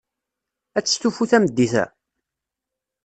Ad testufu tameddit-a?